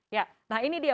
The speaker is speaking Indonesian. ya nah ini dia